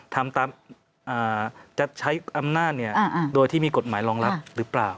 จะใช้อำนาจโดยที่มีกฎหมายรองรับหรือเปล่า